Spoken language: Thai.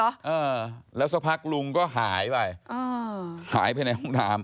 อ่าแล้วสักพักลุงก็หายไปอ่าหายไปในห้องน้ำ